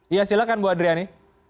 ya silahkan bu adriani